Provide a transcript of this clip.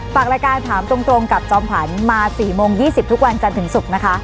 ฝากรายการถามตรงตรงกับจอมผันมาสี่โมงยี่สิบทุกวันจันทร์ถึงศุกร์นะคะ